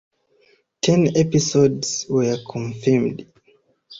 Ten episodes were confirmed.